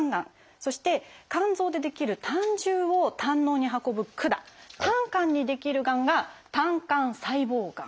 そして肝臓で出来る胆汁を胆のうに運ぶ管「胆管」に出来るがんが「胆管細胞がん」。